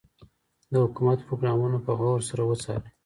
د حکومت پروګرامونه په غور سره وڅارئ.